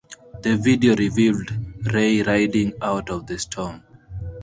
The video revealed Ray riding out the storm.